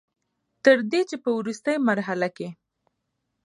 تر دې چې په ورورستۍ مرحله کښې